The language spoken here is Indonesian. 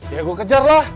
ya gue kejar lah